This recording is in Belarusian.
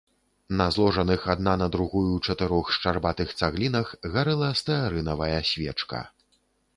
На зложаных адна на другую чатырох шчарбатых цаглінах гарэла стэарынавая свечка.